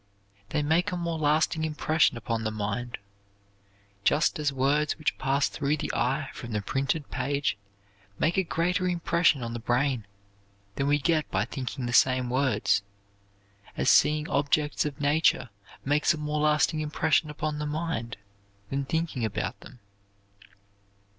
They make a more lasting impression upon the mind, just as words which pass through the eye from the printed page make a greater impression on the brain than we get by thinking the same words; as seeing objects of nature makes a more lasting impression upon the mind than thinking about them.